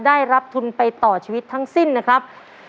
ได้รับทุนไปต่อชีวิตทั้งสิ้นนะครับ